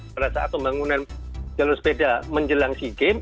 pada saat pembangunan jalur sepeda menjelang si game